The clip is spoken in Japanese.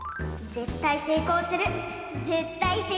ぜったいせいこうする！